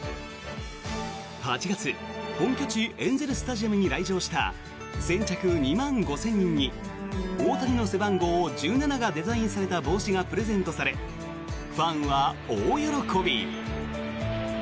８月、本拠地エンゼル・スタジアムに来場した先着２万５０００人に大谷の背番号１７がデザインされた帽子がプレゼントされファンは大喜び。